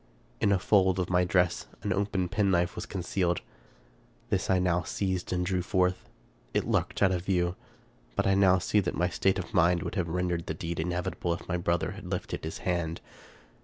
In a fold of my dress an open penknife was concealed. This I now seized and drew forth. It lurked out of view ; but I now see that my state of mind would have rendered the deed inevitable if my brother had lifted his hand.